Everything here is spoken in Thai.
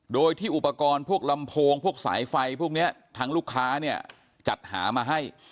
โดยที่อุปกรณ์พวกลำโพงพวกสายไฟพวกนี้ทางลูกค้าเนี่ยจัดหามาให้